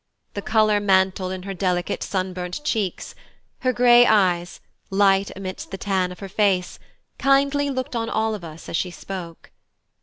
The colour mantled in her delicate sunburnt cheeks; her grey eyes, light amidst the tan of her face, kindly looked on us all as she spoke.